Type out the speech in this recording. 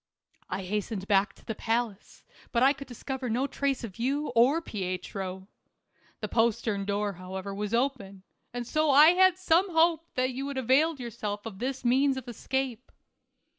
I hastened back to the palace, but I could discover no trace of you or Pietro. The postern door, however, was open, and so I had some hope that you had availed yourself of this means of escape.